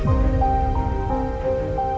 oke makasih ya